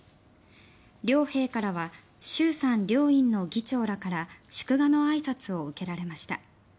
両陛下らは衆参両院の議長らから祝賀のあいさつを受けられました。